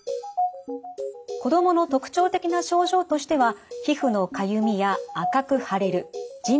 子どもの特徴的な症状としては皮膚のかゆみや赤く腫れるじん